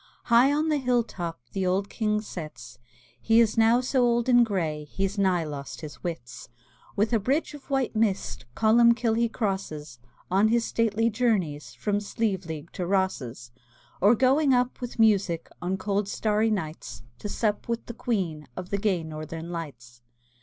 High on the hill top The old King sits; He is now so old and gray He's nigh lost his wits. With a bridge of white mist Columbkill he crosses, On his stately journeys From Slieveleague to Rosses; Or going up with music On cold starry nights, To sup with the Queen Of the gay Northern Lights.